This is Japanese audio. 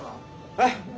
はい？